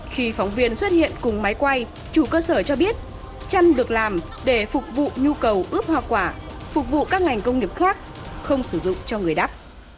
khi phóng viên xuất hiện cùng máy quay chủ cơ sở cho biết chăn được làm để phục vụ nhu cầu ướp hoa quả phục vụ các ngành công nghiệp khác không sử dụng cho người đắp